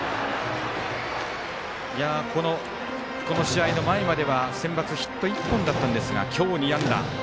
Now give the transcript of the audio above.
この試合の前までは、センバツヒット１本だったんですが今日、２安打。